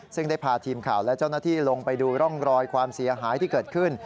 ซึ่งได้พาทีมข่าวและเจ้าหน้าที่ลงไปดูร่องรอยความเสียหายที่เกิดขึ้น